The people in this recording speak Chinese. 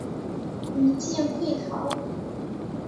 余舰溃逃。